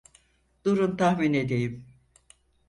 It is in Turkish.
Durun tahmin edeyim.